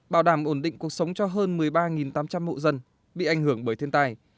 bảo đảm ổn định cuộc sống cho hơn một mươi ba tám trăm linh mộ dân bị ảnh hưởng bởi thiên tai